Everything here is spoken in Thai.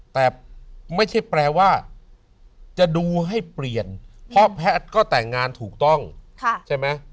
แต่ไม่ใช่แปลว่าจะดูให้เปลี่ยนเพราะแพทย์ก็แต่งงานถูกต้องใช่ไหม